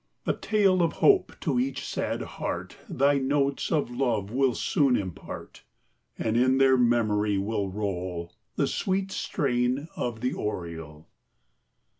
A tale of hope to each sad heart Thy notes of love will soon impart; And in their memory will roll The sweet strain of the oriole.